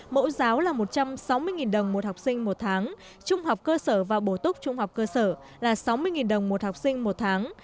mẫu giáo là một trăm sáu mươi đồng một học sinh một tháng trung học cơ sở và bổ túc trung học cơ sở là sáu mươi đồng một học sinh một tháng